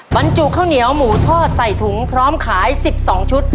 บรรจุข้าวเหนียวหมูทอดใส่ถุงพร้อมขาย๑๒ชุด